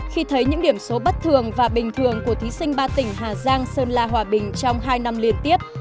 khi thấy những điểm số bất thường và bình thường của thí sinh ba tỉnh hà giang sơn la hòa bình trong hai năm liên tiếp